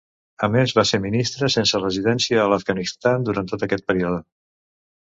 A més va ser ministre sense residència a l'Afganistan durant tot aquest període.